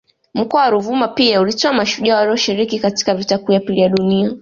Mkoa wa Ruvuma pia ulitoa mashujaa walioshiriki katika Vita kuu ya pili ya Dunia